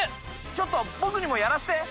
ちょっと僕にもやらせて！